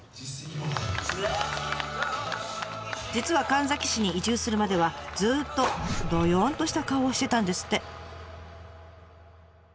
実は神埼市に移住するまではずっとどよんとした顔をしてたんですって。